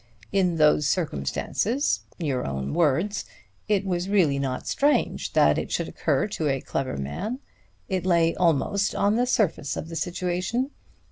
In those circumstances (your own words) it was really not strange that it should occur to a clever man. It lay almost on the surface of the situation.